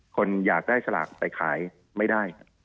คนอยากได้สลากไปขายไม่ได้